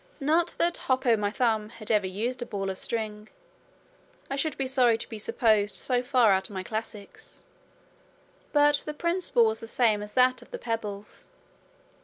Not that Hop o' my Thumb had ever used a ball of string I should be sorry to be supposed so far out in my classics but the principle was the same as that of the pebbles.